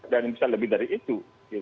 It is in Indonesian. dan bisa lebih dari itu